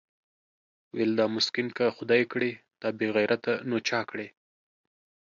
ويل دا مسکين که خداى کړې دا بېغيرته نو چا کړې؟